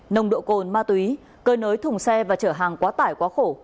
nồng độ cồn ma túy cơ nới thùng xe và trở hàng quá tải quá khổ